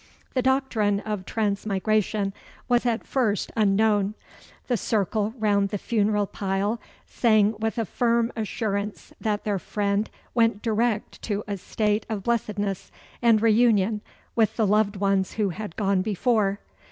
The doctrine of transmigration was at first unknown. The circle round the funeral pile sang with a firm assurance that their friend went direct to a state of blessedness and reunion with the loved ones who had gone before.